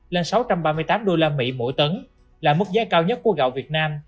lên sáu trăm ba mươi tám đô la mỹ mỗi tấn là mức giá cao nhất của gạo việt nam